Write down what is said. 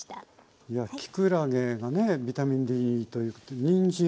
きくらげがねビタミンＤということでにんじん